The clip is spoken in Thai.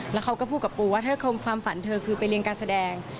แล้วเขาก็พูดกับปูว่าถ้าความฝันเธอคือไปเรียนการแสดง